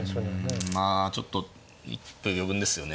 うんまあちょっと一歩余分ですよね